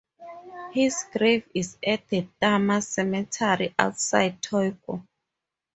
His grave is at the Tama Cemetery outside Tokyo.